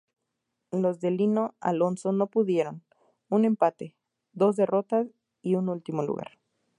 Los de Lino Alonso no pudieron: un empate, dos derrotas y último lugar.